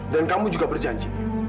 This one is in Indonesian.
dan kamu juga berjanji